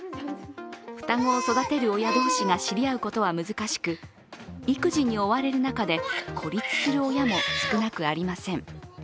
双子を育てる親同士が知り合うことは難しく育児に追われる中で、孤立する親も少なくありません。